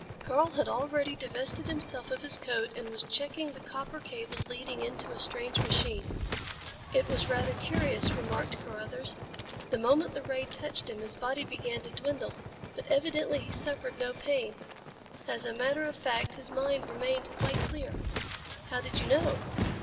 Karl had already divested himself of his coat and was checking the copper cables leading into a strange machine. "It was rather curious," remarked Carruthers. "The moment the ray touched him his body began to dwindle. But evidently he suffered no pain. As a matter of fact his mind remained quite clear." "How did you know?"